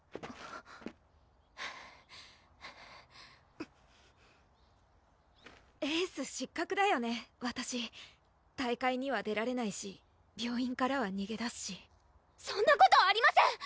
・ハァハァエース失格だよねわたし大会には出られないし病院からはにげ出すしそんなことありません！